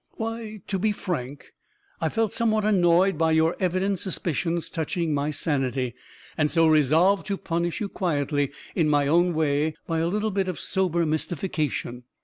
"Why, to be frank, I felt somewhat annoyed by your evident suspicions touching my sanity, and so resolved to punish you quietly, in my own way, by a little bit of sober mystification.